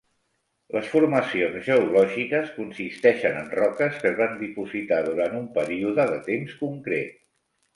Les formacions geològiques consisteixen en roques que es van dipositar durant un període de temps concret.